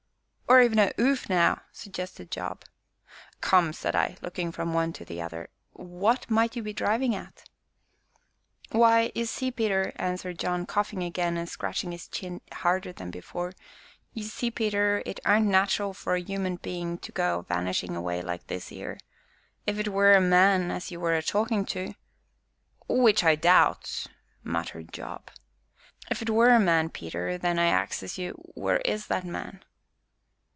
"Or even a 'oof, now?" suggested Job. "Come," said I, looking from one to the other, "what might you be driving at?" "Why, ye see, Peter," answered John, coughing again, and scratching his chin harder than ever, "ye see, Peter, it aren't nat'ral for a 'uman bein' to go a vanishin' away like this 'ere if 'twere a man as you was a talkin' to " "Which I doubts!" muttered Job. "If 'twere a man, Peter, then I axes you where is that man?"